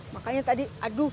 makanya tadi aduh